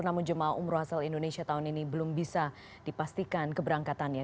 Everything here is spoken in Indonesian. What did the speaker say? namun jemaah umroh asal indonesia tahun ini belum bisa dipastikan keberangkatannya